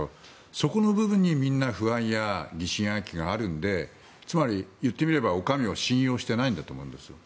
そこの部分にみんな不安や疑心暗鬼があるのでつまり、言ってみればお上を信用していないんだと思うんですよ。